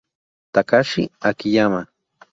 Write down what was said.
Takashi Akiyama